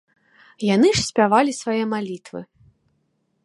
Яны ж спявалі свае малітвы.